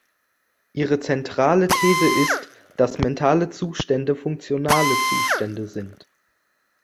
Ihre zentrale These ist, dass mentale Zustände funktionale Zustände sind.